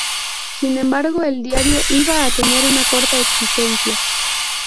Sin embargo, el diario iba a tener una corta existencia.